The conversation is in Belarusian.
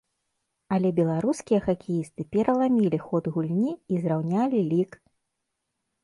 Але беларускія хакеісты пераламілі ход гульні і зраўнялі лік!